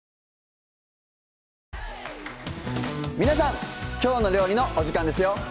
皆さん「きょうの料理」のお時間ですよ。